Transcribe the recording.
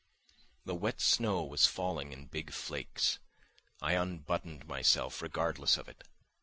The wet snow was falling in big flakes; I unbuttoned myself, regardless of it.